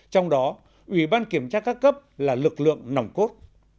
trong đó ủy ban kiểm tra các cấp là lực lượng nòng cốt